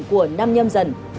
của năm nhâm dần